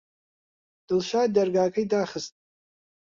دڵشاد دەرگاکەی داخست.